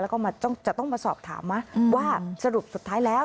แล้วก็จะต้องมาสอบถามนะว่าสรุปสุดท้ายแล้ว